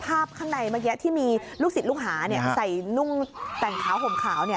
ข้างในเมื่อกี้ที่มีลูกศิษย์ลูกหาใส่นุ่งแต่งขาวห่มขาว